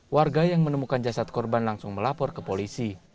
warga yang menemukan jasad korban langsung melapor ke polisi